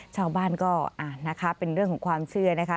ชาวบ้านก็นะคะเป็นเรื่องของความเชื่อนะคะ